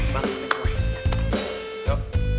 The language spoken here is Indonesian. makasih ya om chandra